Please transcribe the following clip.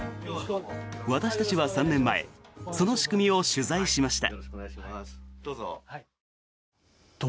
私たちは３年前その仕組みを取材しました。